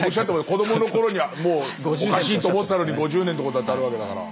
子どものころにはもうおかしいと思ってたのに５０年ってことだってあるわけだから。